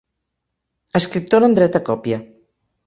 Escriptora amb dret a còpia.